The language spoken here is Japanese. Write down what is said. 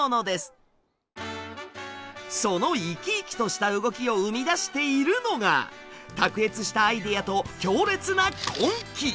その生き生きとした動きを生み出しているのが卓越したアイデアと強烈な根気！